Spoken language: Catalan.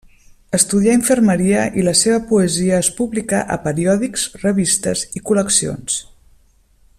Estudià infermeria i la seva poesia es publicà a periòdics, revistes i col·leccions.